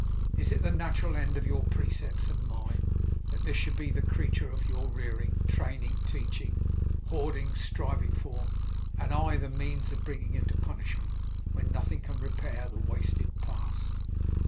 Is it the natural end of your precepts and mine, that this should be the creature of your rearing, training, teaching, hoarding, striving for; and I the means of bringing him to punishment, when nothing can repair the wasted past!